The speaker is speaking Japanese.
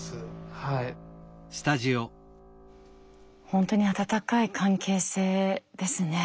本当に温かい関係性ですね。